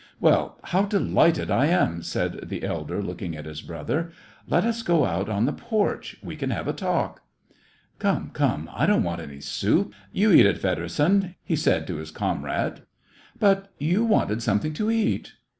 "" Well, how delighted I am !" said the elder, looking at his brother. "Let us go out on the porch ; we can have a talk." " Come, come, I don't want any soup. You eat it, Federsohn !" he said to his comrade. " But you wanted something to eat.'